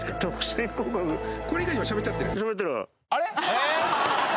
えっ？